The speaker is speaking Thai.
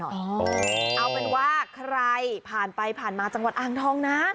เอาเป็นว่าใครผ่านไปผ่านมาจังหวัดอ่างทองนะ